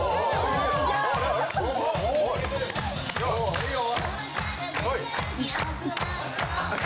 いいよ。